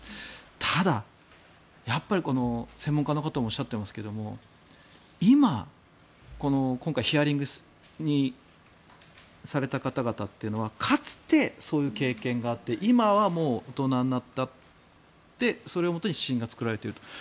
ただ、専門家の方もおっしゃってますが今回ヒアリングされた方々というのはかつてそういう経験があって今はもう大人になってで、それをもとに指針が作られていると。